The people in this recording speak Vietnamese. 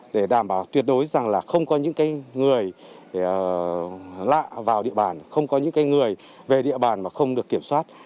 để đảm bảo tuyệt đối rằng là không có những người lạ vào địa bàn không có những người về địa bàn mà không được kiểm soát